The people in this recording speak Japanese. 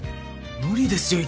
無理ですよ